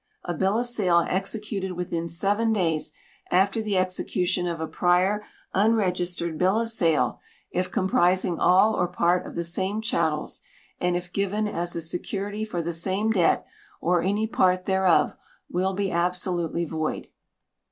A bill of sale executed within seven days after the execution of a prior unregistered bill of sale, if comprising all or part of the same chattels, and if given as a security for the same debt or any part thereof, will be absolutely void.